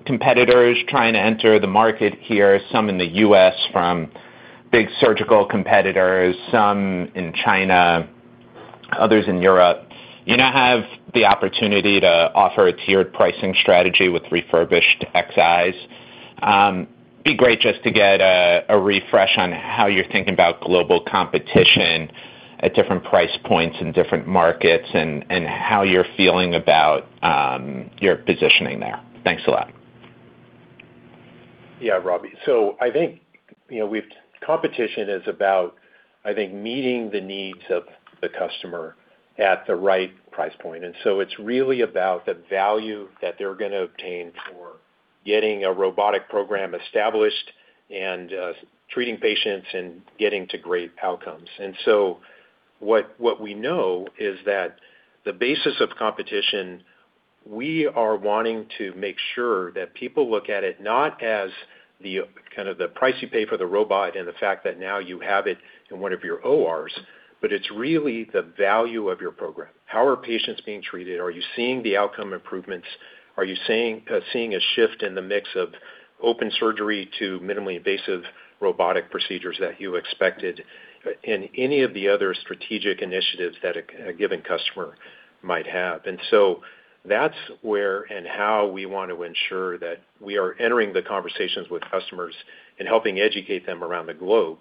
G: competitors trying to enter the market here, some in the U.S. from big surgical competitors, some in China, others in Europe. You now have the opportunity to offer a tiered pricing strategy with refurbished XIs. Be great just to get a refresh on how you're thinking about global competition at different price points in different markets and how you're feeling about your positioning there. Thanks a lot.
C: Yeah, Robbie. I think competition is about meeting the needs of the customer at the right price point. It's really about the value that they're going to obtain for getting a robotic program established and treating patients and getting to great outcomes. What we know is that the basis of competition, we are wanting to make sure that people look at it not as the price you pay for the robot and the fact that now you have it in one of your ORs, but it's really the value of your program. How are patients being treated? Are you seeing the outcome improvements? Are you seeing a shift in the mix of open surgery to minimally invasive robotic procedures that you expected and any of the other strategic initiatives that a given customer might have. That's where and how we want to ensure that we are entering the conversations with customers and helping educate them around the globe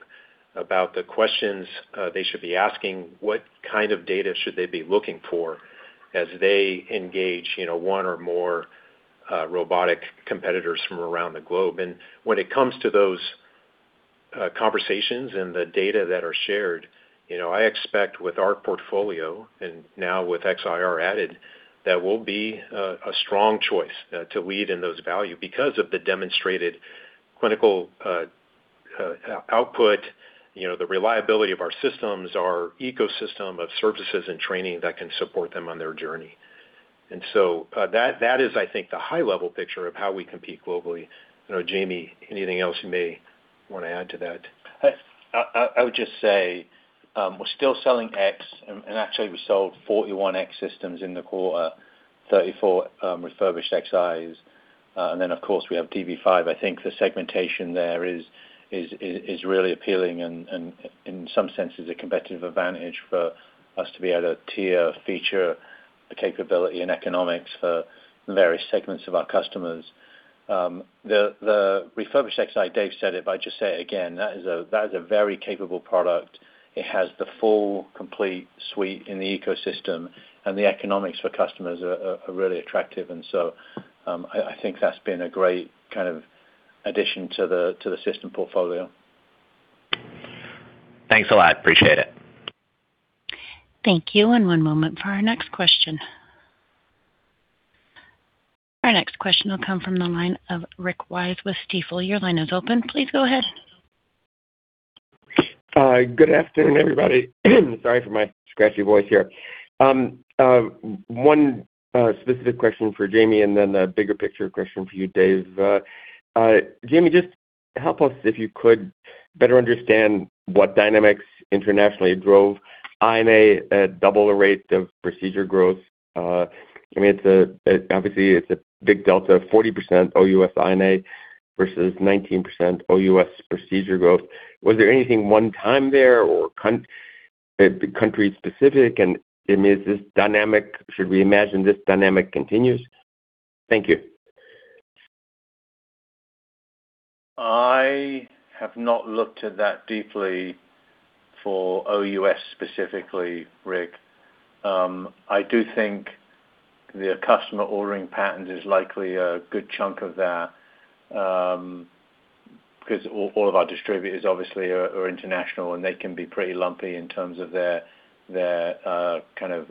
C: about the questions they should be asking. What kind of data should they be looking for as they engage one or more robotic competitors from around the globe? When it comes to those conversations and the data that are shared, I expect with our portfolio and now with Xi-R added, that we'll be a strong choice to lead in those value because of the demonstrated clinical output, the reliability of our systems, our ecosystem of services and training that can support them on their journey. That is, I think, the high-level picture of how we compete globally. Jamie, anything else you may want to add to that?
D: I would just say we're still selling X, and actually, we sold 41 X systems in the quarter, 34 refurbished Xis. Then, of course, we have DV5. I think the segmentation there is really appealing and in some sense is a competitive advantage for us to be able to tier feature the capability and economics for various segments of our customers. The refurbished Xi, Dave said it, but I'll just say it again, that is a very capable product. It has the full, complete suite in the ecosystem, and the economics for customers are really attractive. I think that's been a great addition to the system portfolio.
G: Thanks a lot. Appreciate it.
A: Thank you. One moment for our next question. Our next question will come from the line of Rick Wise with Stifel. Your line is open. Please go ahead.
H: Good afternoon, everybody. Sorry for my scratchy voice here. One specific question for Jamie and then a bigger picture question for you, Dave. Jamie, just help us, if you could, better understand what dynamics internationally drove I&A at double the rate of procedure growth. Obviously, it's a big delta, 40% OUS I&A versus 19% OUS procedure growth. Was there anything one time there or country specific and should we imagine this dynamic continues? Thank you.
D: I have not looked at that deeply for OUS specifically, Rick. I do think the customer ordering patterns is likely a good chunk of that. Because all of our distributors obviously are international, and they can be pretty lumpy in terms of their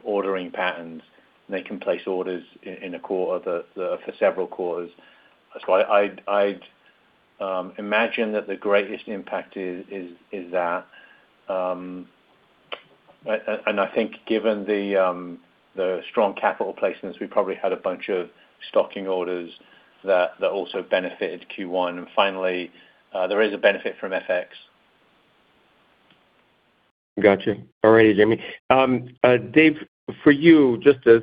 D: ordering patterns. They can place orders for several quarters. That's why I'd imagine that the greatest impact is that. I think given the strong capital placements, we probably had a bunch of stocking orders that also benefited Q1. Finally, there is a benefit from FX.
H: Got you. All right, Jamie. Dave, for you, just as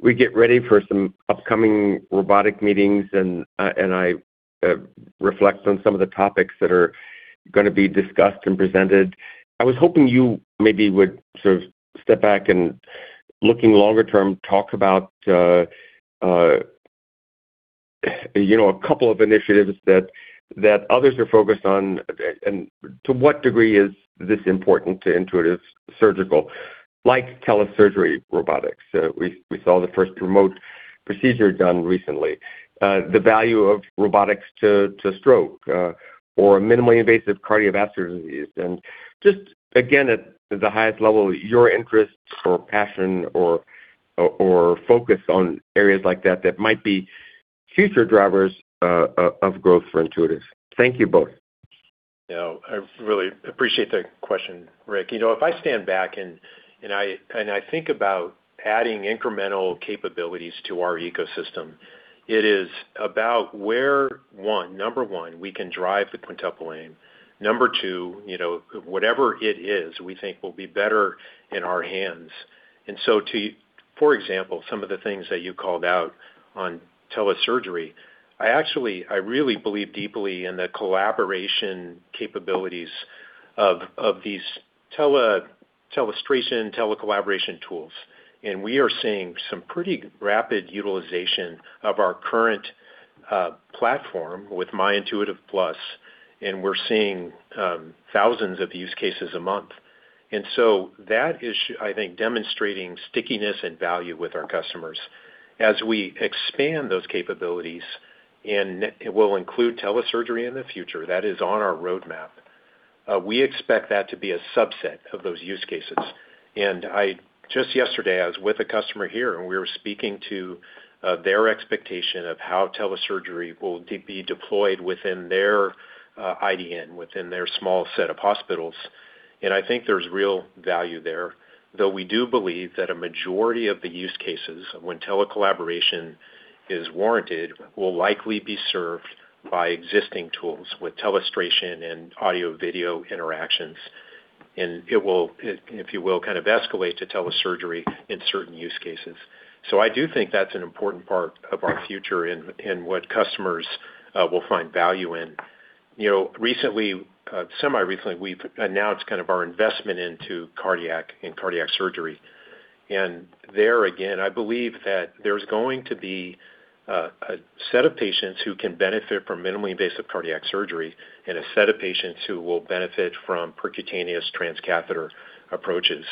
H: we get ready for some upcoming robotic meetings, and I reflect on some of the topics that are going to be discussed and presented. I was hoping you maybe would sort of step back and, looking longer term, talk about a couple of initiatives that others are focused on, and to what degree is this important to Intuitive Surgical, like telesurgery robotics. We saw the first remote procedure done recently. The value of robotics to stroke or minimally invasive cardiovascular disease. And just again, at the highest level, your interest or passion or focus on areas like that that might be future drivers of growth for Intuitive. Thank you both.
C: Yeah. I really appreciate the question, Rick. If I stand back and I think about adding incremental capabilities to our ecosystem, it is about where, number one, we can drive the Quintuple Aim. Number two, whatever it is we think will be better in our hands. For example, some of the things that you called out on telesurgery. I really believe deeply in the collaboration capabilities of these telestration, telecollaboration tools. We are seeing some pretty rapid utilization of our current platform with My Intuitive+, and we're seeing thousands of use cases a month. That is, I think, demonstrating stickiness and value with our customers. As we expand those capabilities, and it will include telesurgery in the future, that is on our roadmap. We expect that to be a subset of those use cases. Just yesterday, I was with a customer here, and we were speaking to their expectation of how telesurgery will be deployed within their IDN, within their small set of hospitals. I think there's real value there. Though we do believe that a majority of the use cases when telecollaboration is warranted will likely be served by existing tools with telestration and audio video interactions. It will, if you will, kind of escalate to telesurgery in certain use cases. I do think that's an important part of our future and what customers will find value in. Recently, semi-recently, we've announced kind of our investment into cardiac and cardiac surgery. There, again, I believe that there's going to be a set of patients who can benefit from minimally invasive cardiac surgery and a set of patients who will benefit from percutaneous transcatheter approaches.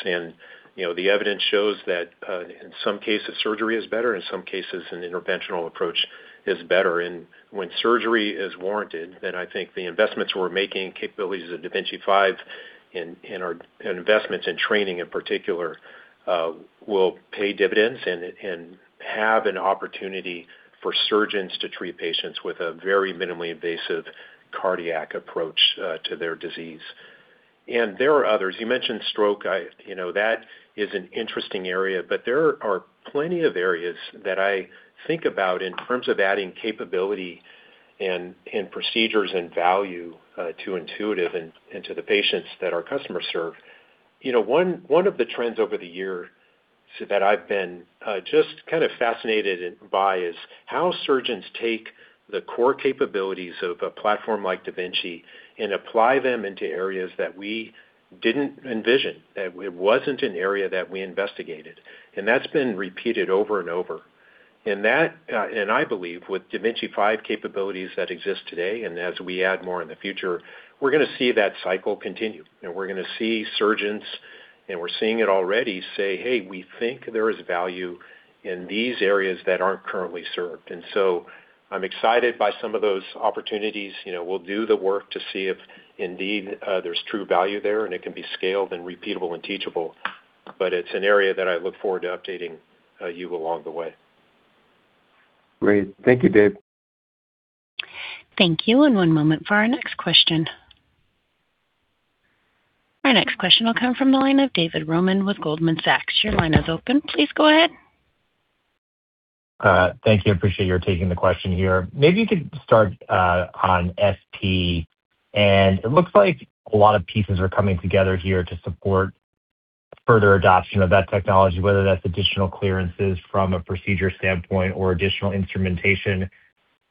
C: The evidence shows that in some cases, surgery is better, in some cases, an interventional approach is better. When surgery is warranted, then I think the investments we're making in capabilities of da Vinci 5 and our investments in training in particular will pay dividends and have an opportunity for surgeons to treat patients with a very minimally invasive cardiac approach to their disease. There are others. You mentioned stroke. That is an interesting area, but there are plenty of areas that I think about in terms of adding capability and procedures and value to Intuitive and to the patients that our customers serve. One of the trends over the years that I've been just kind of fascinated by is how surgeons take the core capabilities of a platform like da Vinci and apply them into areas that we didn't envision, that it wasn't an area that we investigated. That's been repeated over and over. I believe with da Vinci 5 capabilities that exist today and as we add more in the future, we're going to see that cycle continue. We're going to see surgeons, and we're seeing it already, say, "Hey, we think there is value in these areas that aren't currently served." I'm excited by some of those opportunities. We'll do the work to see if indeed there's true value there and it can be scaled and repeatable and teachable. It's an area that I look forward to updating you along the way.
H: Great. Thank you, Dave.
A: Thank you. One moment for our next question. Our next question will come from the line of David Roman with Goldman Sachs. Your line is open. Please go ahead.
I: Thank you. I appreciate your taking the question here. Maybe you could start on SP. It looks like a lot of pieces are coming together here to support further adoption of that technology, whether that's additional clearances from a procedure standpoint or additional instrumentation.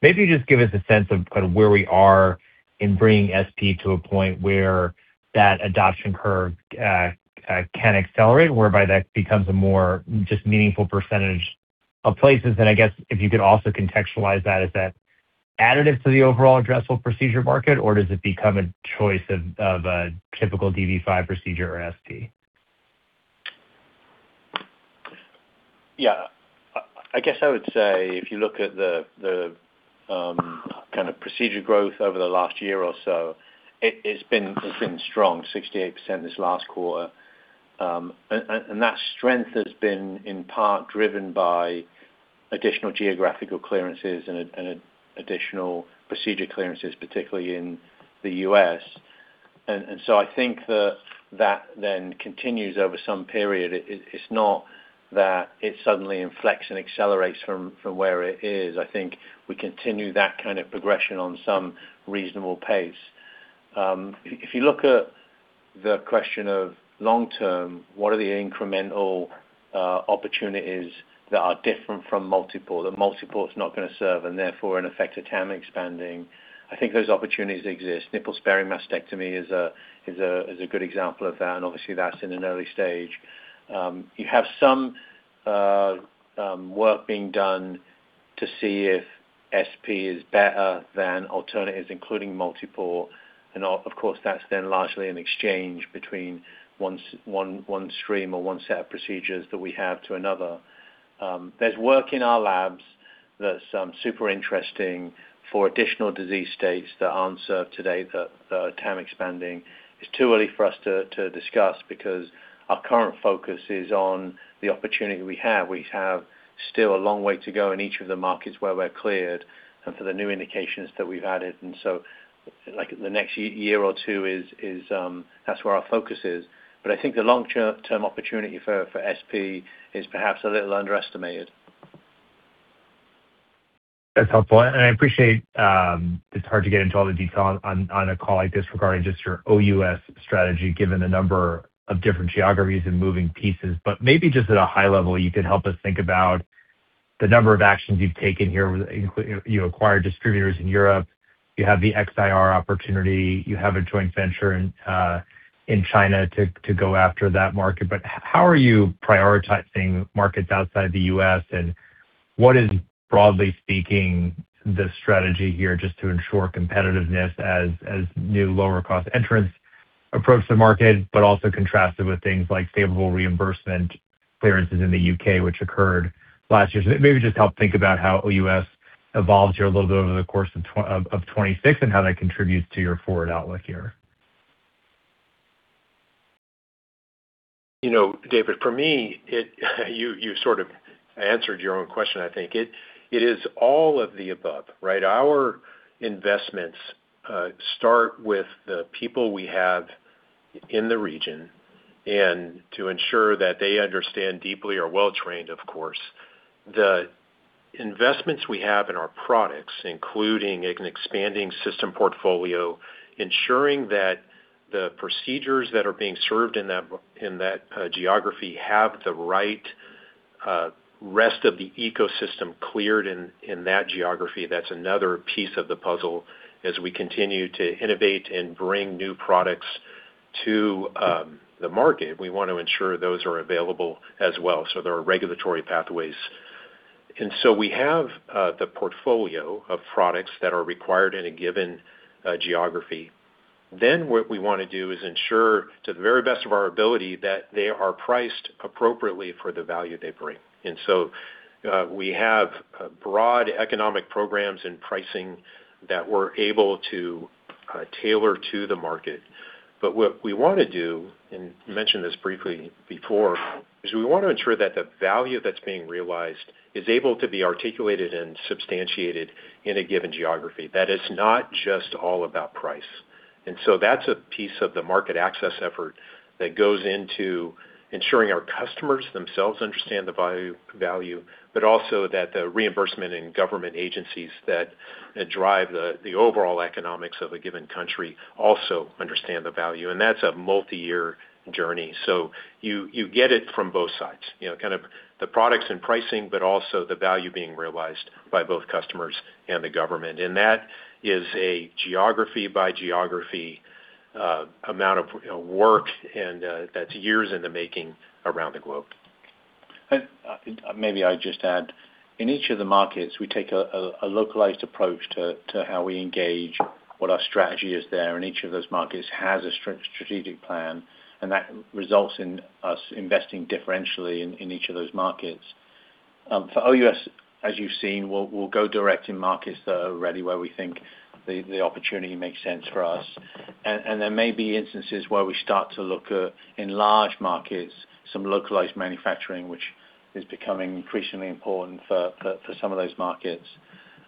I: Maybe just give us a sense of kind of where we are in bringing SP to a point where that adoption curve can accelerate, whereby that becomes a more just meaningful percentage of places. I guess if you could also contextualize that, is that additive to the overall addressable procedure market, or does it become a choice of a typical DV5 procedure or SP?
D: Yeah. I guess I would say if you look at the kind of procedure growth over the last year or so, it's been strong, 68% this last quarter. That strength has been in part driven by additional geographical clearances and additional procedure clearances, particularly in the U.S. I think that then continues over some period. It's not that it suddenly inflects and accelerates from where it is. I think we continue that kind of progression on some reasonable pace. If you look at the question of long-term, what are the incremental opportunities that are different from multiport? The multiport is not going to serve and therefore in effect are TAM-expanding. I think those opportunities exist. Nipple-sparing mastectomy is a good example of that, and obviously that's in an early stage. You have some work being done to see if SP is better than alternatives, including multiport. Of course, that's then largely an exchange between one stream or one set of procedures that we have to another. There's work in our labs that's super interesting for additional disease states that aren't served today that are TAM expanding. It's too early for us to discuss because our current focus is on the opportunity we have. We have still a long way to go in each of the markets where we're cleared and for the new indications that we've added. Like in the next year or two, that's where our focus is. I think the long-term opportunity for SP is perhaps a little underestimated.
I: That's helpful. I appreciate it's hard to get into all the detail on a call like this regarding just your OUS strategy, given the number of different geographies and moving pieces. Maybe just at a high level, you could help us think about the number of actions you've taken here, including you acquired distributors in Europe, you have the Xi-R opportunity, you have a joint venture in China to go after that market. How are you prioritizing markets outside the U.S., and what is, broadly speaking, the strategy here just to ensure competitiveness as new lower cost entrants approach the market, but also contrasted with things like favorable reimbursement clearances in the U.K., which occurred last year? Maybe just help think about how OUS evolves here a little bit over the course of 2026 and how that contributes to your forward outlook here.
C: David, for me, you sort of answered your own question, I think. It is all of the above, right? Our investments start with the people we have in the region and to ensure that they understand deeply, are well-trained, of course. The investments we have in our products, including an expanding system portfolio, ensuring that the procedures that are being served in that geography have the right set of the ecosystem cleared in that geography. That's another piece of the puzzle. As we continue to innovate and bring new products to the market, we want to ensure those are available as well. There are regulatory pathways. We have the portfolio of products that are required in a given geography. What we want to do is ensure to the very best of our ability that they are priced appropriately for the value they bring. We have broad economic programs and pricing that we're able to tailor to the market. What we want to do, and you mentioned this briefly before, is we want to ensure that the value that's being realized is able to be articulated and substantiated in a given geography. That it's not just all about price. That's a piece of the market access effort that goes into ensuring our customers themselves understand the value, but also that the reimbursement and government agencies that drive the overall economics of a given country also understand the value. That's a multi-year journey. You get it from both sides, kind of the products and pricing, but also the value being realized by both customers and the government. That is a geography by geography amount of work and that's years in the making around the globe.
D: Maybe I'd just add, in each of the markets, we take a localized approach to how we engage, what our strategy is there, and each of those markets has a strategic plan, and that results in us investing differentially in each of those markets. For OUS, as you've seen, we'll go direct in markets that are ready, where we think the opportunity makes sense for us. There may be instances where we start to look in large markets, some localized manufacturing, which is becoming increasingly important for some of those markets.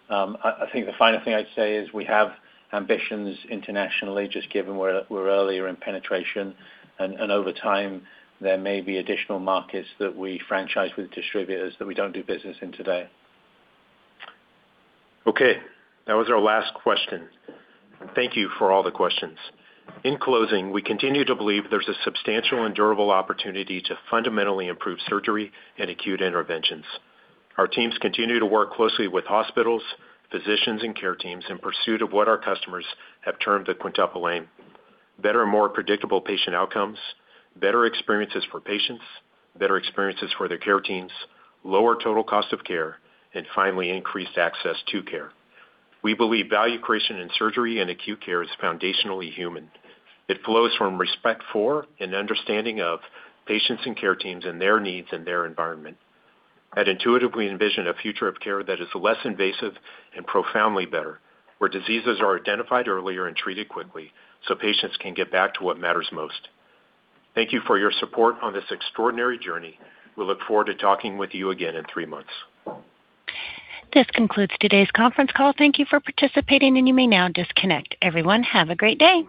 D: I think the final thing I'd say is we have ambitions internationally, just given we're earlier in penetration. Over time, there may be additional markets that we franchise with distributors that we don't do business in today.
B: Okay. That was our last question. Thank you for all the questions. In closing, we continue to believe there's a substantial and durable opportunity to fundamentally improve surgery and acute interventions. Our teams continue to work closely with hospitals, physicians, and care teams in pursuit of what our customers have termed the Quintuple Aim. Better and more predictable patient outcomes, better experiences for patients, better experiences for their care teams, lower total cost of care, and finally, increased access to care. We believe value creation in surgery and acute care is foundationally human. It flows from respect for and understanding of patients and care teams and their needs and their environment. At Intuitive, we envision a future of care that is less invasive and profoundly better, where diseases are identified earlier and treated quickly so patients can get back to what matters most. Thank you for your support on this extraordinary journey. We look forward to talking with you again in three months.
A: This concludes today's conference call. Thank you for participating, and you may now disconnect. Everyone, have a great day.